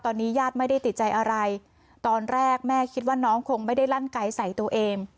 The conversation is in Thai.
ตอนนี้ญาติไม่ได้ติดใจอะไรตอนแรกแม่คิดว่าน้องคงไม่ได้ลั่นไกลใส่ตัวเอง